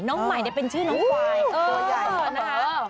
น้องใหม่เนี่ยเป็นชื่อน้องควายตัวใหญ่ส่วนนะฮะ